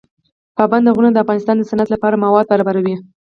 پابندی غرونه د افغانستان د صنعت لپاره مواد برابروي.